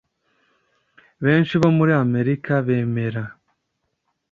benshi bo muri Amerika bemera